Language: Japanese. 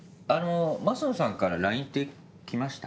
升野さんからＬＩＮＥって来ました？